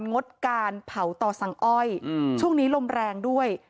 งดการเผาต่อสั่งอ้อยช่วงนี้ลมแรงด้วย